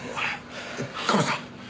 カメさん。